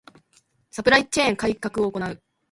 ⅱ サプライチェーン改革を行う